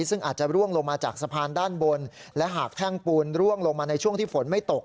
ซึ่งอาจจะร่วงลงมาจากสะพานด้านบนและหากแท่งปูนร่วงลงมาในช่วงที่ฝนไม่ตก